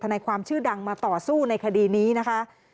นายความชื่อดังมาต่อสู้ในคดีนี้นะคะ